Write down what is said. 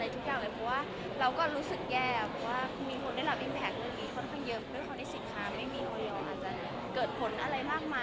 ใช่ต้องเลือกให้ดีมากขึ้นค่ะ